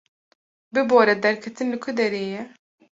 Bibore, derketin li ku derê ye?